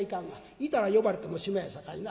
行たら呼ばれてもうしまいやさかいな。